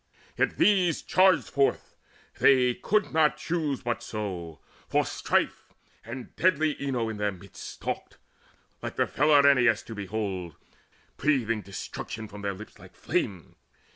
Yet these charged forth they could not choose but so, For Strife and deadly Enyo in their midst Stalked, like the fell Erinyes to behold, Breathing destruction from their lips like flame.